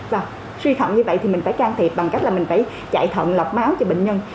và suy thận như vậy thì mình phải can thiệp bằng cách là mình phải chạy thận lọc máu cho bệnh nhân